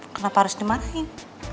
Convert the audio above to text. kenapa harus dimarahin